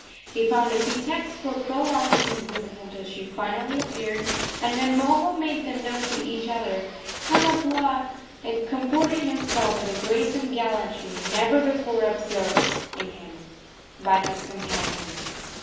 He found a pretext for prolonging his visit until she finally appeared, and when Moho made them known to each other Kamapuaa comported himself with a grace and gallantry never before observed in him by his companions.